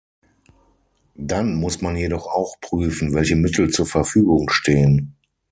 Dann muss man jedoch auch prüfen, welche Mittel zur Verfügung stehen.